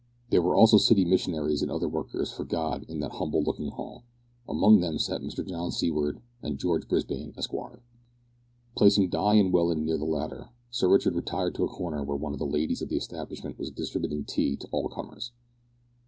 There were also city missionaries and other workers for God in that humble looking hall. Among them sat Mr John Seaward and George Brisbane, Esquire. Placing Di and Welland near the latter, Sir Richard retired to a corner where one of the ladies of the establishment was distributing tea to all comers.